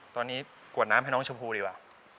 ตอนนี้กวดน้ำให้น้องชมพู่ดีกว่า